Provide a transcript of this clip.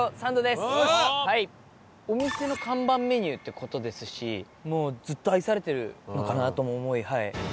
お店の看板メニューって事ですしもうずっと愛されてるのかなとも思い。